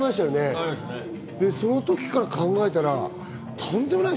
その時から考えたらとんでもない。